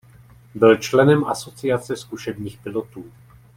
Byl členem Asociace zkušebních pilotů.